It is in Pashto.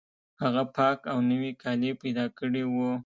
هغه پاک او نوي کالي پیدا کړي وو